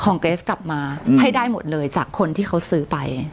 เกรสกลับมาให้ได้หมดเลยจากคนที่เขาซื้อไป